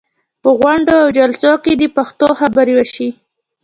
په غونډو او جلسو کې دې پښتو خبرې وشي.